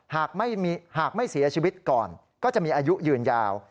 หากไม่เสียชีวิตก่อนก็จะมีอายุยืนยาว